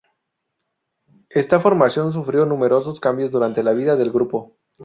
Esta formación sufrió numerosos cambios durante la vida del grupo.